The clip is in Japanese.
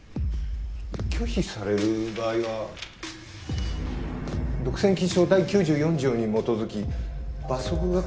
拒否される場合は独占禁止法第９４条に基づき罰則が。